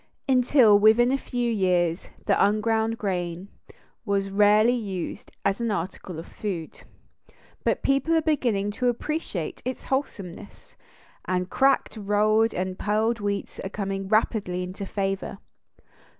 Until within a few years the unground grain was rarely used as an article of food, but people are beginning to appreciate its wholesomeness, and cracked, rolled, and pearled wheats are coming rapidly into favor.